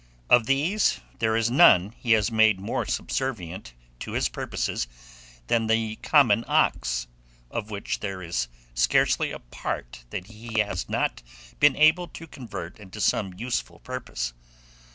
Of these there is none he has made more subservient to his purposes than the common ox, of which there is scarcely a part that he has not been able to convert into some useful purpose.